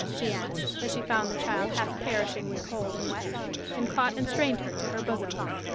she asked, as she found the child half perishing with cold and wet, and caught and strained her to her bosom.